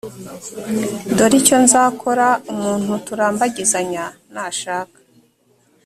dore icyo nzakora umuntu turambagizanya nashaka